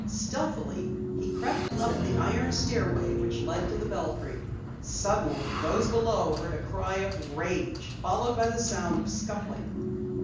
Stealthily he crept up the iron stairway which led to the belfry. Suddenly those below heard a cry of rage, followed by the sound of scuffling.